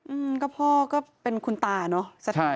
อืมก็พ่อก็เป็นคุณตาเนอะ